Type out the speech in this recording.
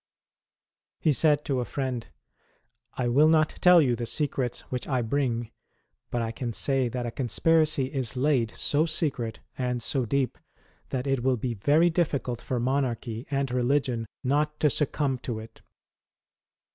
He said to a friend :—" I will not tell you the secrets which I bring, but I can say that a conspiracy is laid so secret and so deep that it will be very difficult for monarchy and religion not to succumb to it."